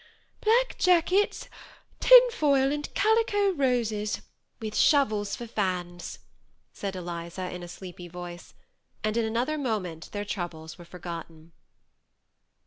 ^ Black jackets, tin foil, and calico roses, with shovels for fans/' said Eliza, in a sleepy voice ; and in another moment their troubles were forgotten.